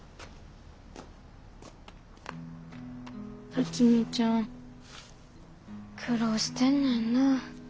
辰美ちゃん苦労してんねんな。